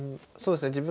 そうですね